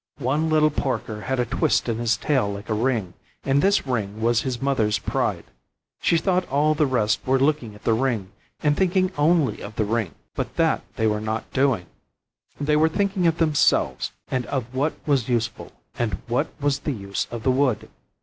One little porker had a twist in his tail like a ring, and this ring was his mothers's pride: she thought all the rest were looking at the ring, and thinking only of the ring; but that they were not doing; they were thinking of themselves and of what was useful, and what was the use of the wood.